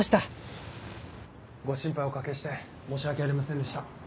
ご心配おかけして申し訳ありませんでした。